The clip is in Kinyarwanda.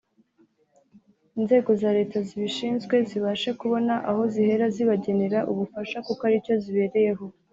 inzego za Leta zibishinzwe zibashe kubona aho zihera zibagenera ubufasha kuko ari cyo zibereyeho